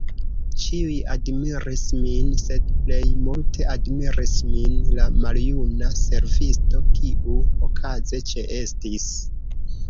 Ĉiuj admiris min, sed plej multe admiris min la maljuna servisto, kiu okaze ĉeestis.